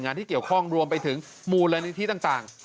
ที่เกี่ยวข้องรวมไปถึงมูลนิธิต่าง